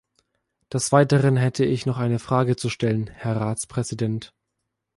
Des weiteren hätte ich noch eine Frage zu stellen, Herr Ratspräsident.